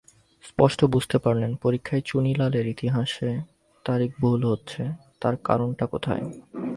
স্পষ্ট বুঝতে পারলেন, পরীক্ষায় চুনিলালের ইতিহাসে তারিখ ভুল হচ্ছে তার কারণটা কোথায়।